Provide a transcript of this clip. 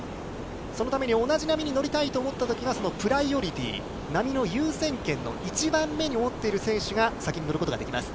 そのために同じ波に乗りたいと思ったときは、そのプライオリティー、波の優先権の一番目に持っている選手が先に乗ることができます。